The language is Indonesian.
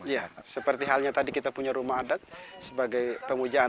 ya seperti halnya tadi kita punya rumah adat sebagai pemujaan